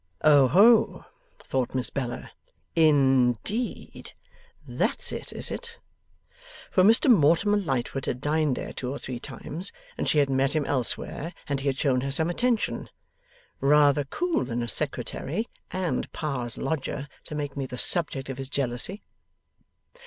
Oho! thought Miss Bella. 'In deed! That's it, is it!' For Mr Mortimer Lightwood had dined there two or three times, and she had met him elsewhere, and he had shown her some attention. 'Rather cool in a Secretary and Pa's lodger to make me the subject of his jealousy!